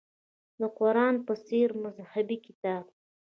د قران په څېر مذهبي کتاب.